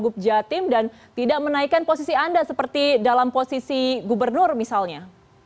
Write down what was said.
gubernur jatim dan tidak menaikkan posisi anda seperti dalam posisi gubernur misalnya